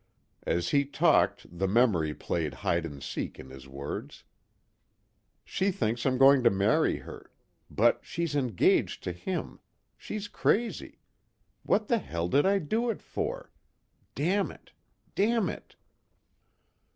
As he talked the memory played hide and seek in his words.... "She thinks I'm going to marry her ... but she's engaged to him ... she's crazy ... what the Hell did I do it for?... Damn it ... damn it...."